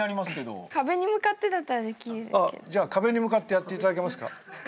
じゃあ壁に向かってやっていただけますか？